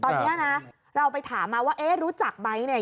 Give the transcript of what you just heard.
ตอนนี้นะเราไปถามมาว่าเอ๊ะรู้จักไหมเนี่ย